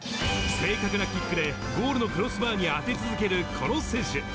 正確なキックでゴールのクロスバーに当て続けるこの選手。